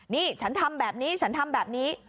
นี่ฉันทำแบบนี้ฉันทำแบบนี้